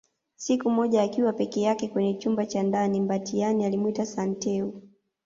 Siku moja akiwa peke yake kwenye chumba cha ndani Mbatiany alimwita Santeu